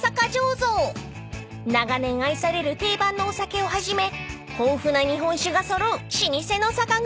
［長年愛される定番のお酒をはじめ豊富な日本酒が揃う老舗の酒蔵］